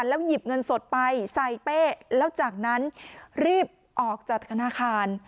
แล้วหยิบเงินสดไปใส่เป้แล้วจากนั้นรีบออกจากธนาคาร